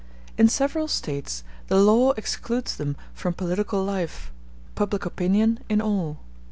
In several States *g the law excludes them from political life, public opinion in all.